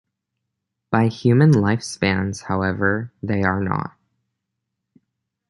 By human lifespans, however, they are not.